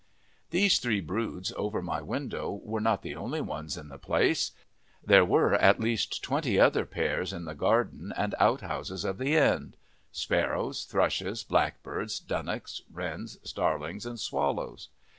These three broods over my window were not the only ones in the place; there were at least twenty other pairs in the garden and outhouses of the inn sparrows, thrushes, blackbirds, dunnocks, wrens, starlings, and swallows.